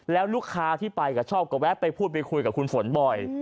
แล้วลูกค้าที่ไปก็ชอบก็แวะไปพูดไปคุยกับคุณฝนบ่อย